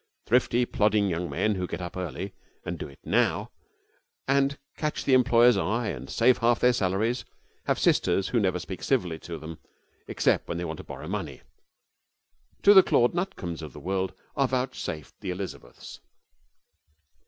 Thrifty, plodding young men, who get up early, and do it now, and catch the employer's eye, and save half their salaries, have sisters who never speak civilly to them except when they want to borrow money. To the Claude Nutcombes of the world are vouchsafed the Elizabeths.